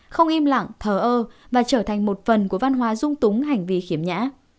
không im lặng thờ ơ và trở thành một phần của văn hóa dung túng hành vi khiếm nhã